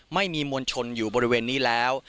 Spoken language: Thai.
ไม่มีมวลชนอยู่บริเวณนี้แล้ว